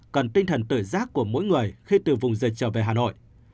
cần tinh thần tự giác của mỗi người khi từ vùng dịch trở về hà nội